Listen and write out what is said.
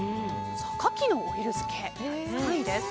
カキのオイル漬けが３位です。